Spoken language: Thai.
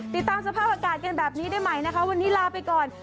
ติดตามสภาพอากาศกันแบบนี้ได้ใหม่นะคะวันนี้ลาไปก่อน